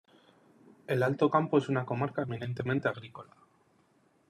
El Alto Campo es una comarca eminentemente agrícola.